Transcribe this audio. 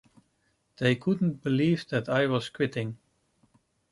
They couldn't believe that I was quitting.